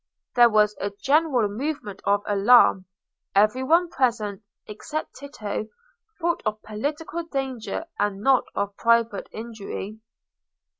There was a general movement of alarm. Every one present, except Tito, thought of political danger and not of private injury.